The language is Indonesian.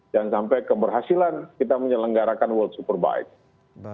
jangan sampai keberhasilan kita menyelenggarakan world superbike